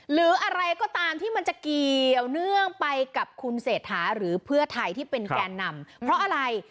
หรืออะไรก็ตามที่มันจะเกี่ยวเนื่องไปกับคุณเศรษฐาหรือเพื่อไทยที่เป็นแกนนำเพราะอะไร